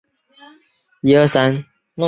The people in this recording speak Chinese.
弗龙泰拉斯是巴西皮奥伊州的一个市镇。